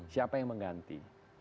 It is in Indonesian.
siapa yang mengganti